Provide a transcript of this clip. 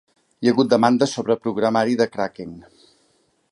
Hi ha hagut demandes sobre programari de cracking.